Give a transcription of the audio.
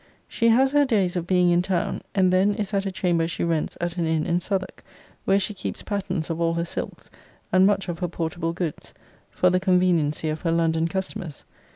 She has her days of being in town, and then is at a chamber she rents at an inn in Southwark, where she keeps patterns of all her silks, and much of her portable goods, for the conveniency of her London customers.